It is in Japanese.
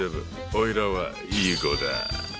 おいらはいい子だ。